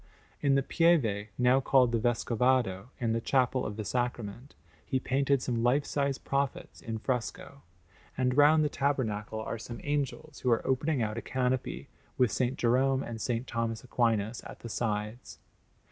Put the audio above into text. In the Pieve, now called the Vescovado, in the Chapel of the Sacrament, he painted some life size prophets in fresco; and round the tabernacle are some angels who are opening out a canopy, with S. Jerome and S. Thomas Aquinas at the sides.